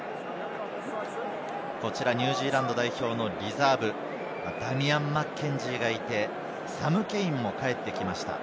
ニュージーランド代表のリザーブ、ダミアン・マッケンジーがいて、サム・ケインも帰ってきました。